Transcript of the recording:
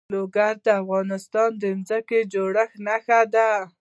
لوگر د افغانستان د ځمکې د جوړښت نښه ده.